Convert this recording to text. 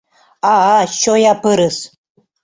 А-а, чоя пырыс!